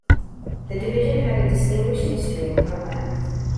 The division had a distinguished history in combat.